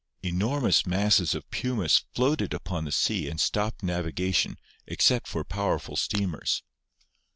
Enormous masses of pumice floated upon the sea and stopped naviga VULCANISM 113 tion except for powerful steamers.